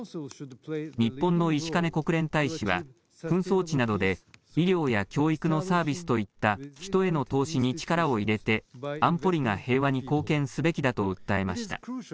日本の石兼国連大使は、紛争地などで、医療や教育のサービスといった人への投資に力を入れて、安保理が平和に貢献すべきだと訴えました。